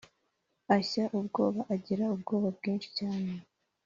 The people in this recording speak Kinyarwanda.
ashya ubwoba: agira ubwoba bwinshi cyane.